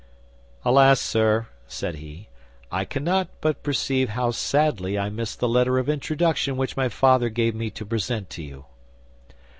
"Alas, sir," said he, "I cannot but perceive how sadly I miss the letter of introduction which my father gave me to present to you."